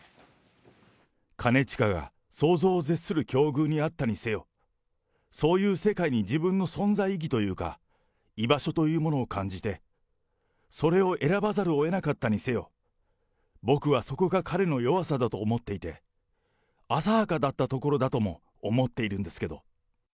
兼近が想像を絶する境遇にあったにせよ、そういう世界に、自分の存在意義というか、居場所というものを感じて、それを選ばざるをえなかったにせよ、僕はそこが彼の弱さだと思っていて、浅はかだったところだったとも思っているんですけど。